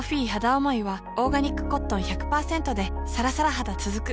おもいはオーガニックコットン １００％ でさらさら肌つづく